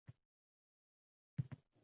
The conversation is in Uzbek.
Shu vaqtning egasi o‘zimiz.